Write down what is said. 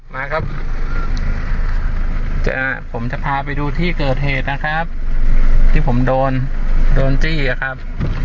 มาครับผมจะพาไปดูที่เกิดเหตุนะครับที่ผมโดนโดนจี้อะครับ